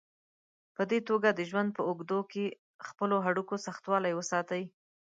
په دې توګه د ژوند په اوږدو کې خپلو هډوکو سختوالی وساتئ.